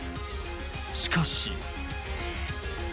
しかし。